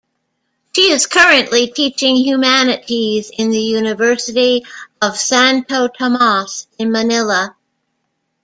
She is currently teaching humanities in the University of Santo Tomas in Manila.